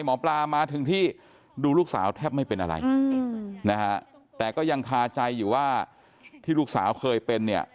หมอปลามาถึงที่ดูลูกสาวแทบไม่เป็นอะไรนะฮะแต่ก็ยังคาใจอยู่ว่าที่ลูกสาวเคยเป็นเนี่ย